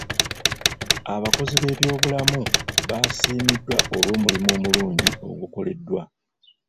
Abakozi b'ebyobulamu baasiimiddwa olw'omulimu omulungi ogukoleddwa.